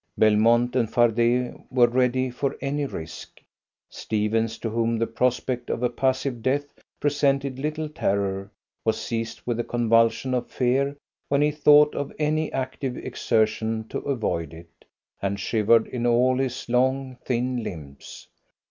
Belmont and Fardet were ready for any risk. Stephens, to whom the prospect of a passive death presented little terror, was seized with a convulsion of fear when he thought of any active exertion to avoid it, and shivered in all his long, thin limbs.